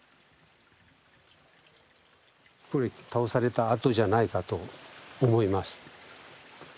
これ倒されたあとじゃないかと思います。